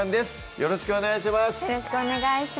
よろしくお願いします